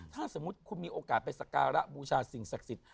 ถ้าสมมุติคุณมีโอกาสไปสักการะบูชาสิ่งศักดิ์สิทธิ